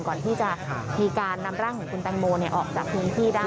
ก่อนที่จะมีการนำร่างของคุณแตงโมออกจากพื้นที่ได้